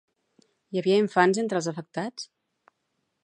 Hi havia infants entre els afectats?